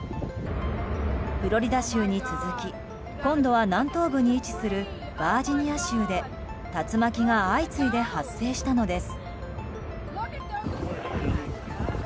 フロリダ州に続き今度は南東部に位置するバージニア州で竜巻が相次いで発生したのです。